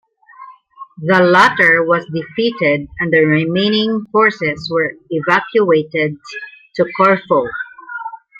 The latter was defeated and the remaining forces were evacuated to Corfu.